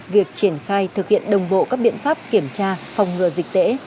việc triển khai thực hiện đồng bộ các biện pháp kiểm tra phòng ngừa dịch tễ